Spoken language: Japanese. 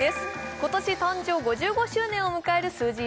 今年誕生５５周年を迎えるＳｕｚｙ